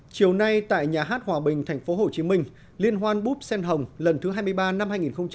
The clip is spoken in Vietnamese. chiều nay tại nhà hát hòa bình tp hcm liên hoan búp sen hồng lần thứ hai mươi ba năm hai nghìn một mươi bảy